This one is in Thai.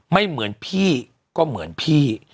ไม่เหมือนพี่ก็เหมือนพี่